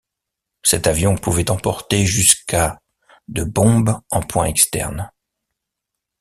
Cet avion pouvait emporter jusqu'à de bombes en points externes.